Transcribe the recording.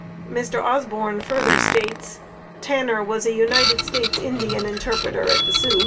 Mr. Osborn further adds: "Tanner was a United States Indian interpreter at the Soo."